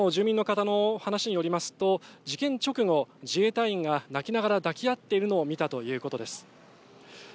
近くの住民の方の話によりますと事件直後自衛隊員が泣きながら抱き合っているの見たということです。